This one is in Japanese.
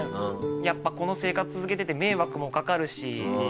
やっぱこの生活続けてて迷惑もかかるし。